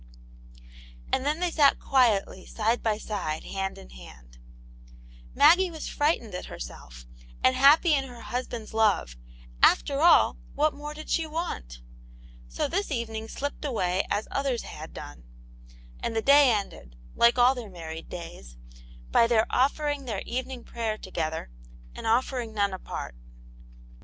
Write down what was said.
And then they sat quietly side by side, hand in hand ; Maggie was frightened at herself, and happy in her husband's love; after all, what more did she want } So this evening slipped away as others had done, and the day ended, like all their married days, by their offering their evening prayer together, and offering none apart.